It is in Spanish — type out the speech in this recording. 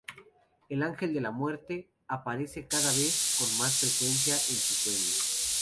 El "ángel de la muerte" aparece cada vez con más frecuencia en sus sueños.